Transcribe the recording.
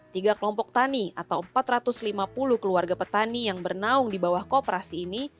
tiga kelompok tani atau empat ratus lima puluh keluarga petani yang bernaung di bawah kooperasi ini